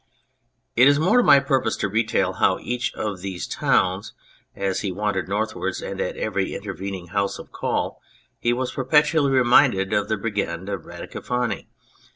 It is more to my purpose to retail how in each of these towns as he wandered northwards, and at every intervening house of call, he was perpetually reminded of the Brigand of Radicofani.